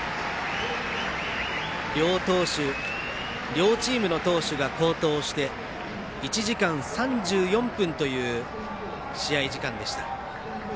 両チームの投手が好投して１時間３４分という試合時間でした。